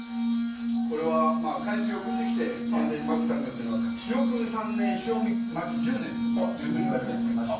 これは、まあ海水をくんできて塩田にまく作業というのは、潮汲み３年、潮撒き１０年というふうに言われてまして。